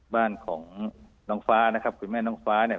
บ้านของน้องฟ้านะครับคุณแม่น้องฟ้าเนี่ย